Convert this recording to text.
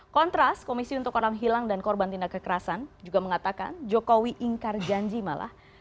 kontras komisi untuk orang hilang dan korban tindak kekerasan juga mengatakan jokowi ingkar janji malah